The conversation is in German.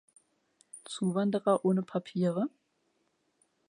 Zuwanderer ohne Papiere?